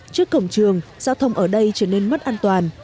trước cổng trường giao thông ở đây trở nên mất an toàn